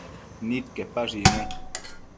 Nidquepash icnui